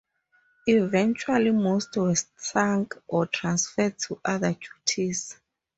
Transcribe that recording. Eventually most were sunk or transferred to other duties.